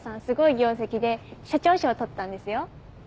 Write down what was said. すごい業績で社長賞取ったんですよ。